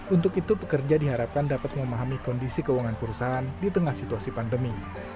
untuk itu pekerja diharapkan dapat memahami kondisi keuangan perusahaan di tengah situasi pandemi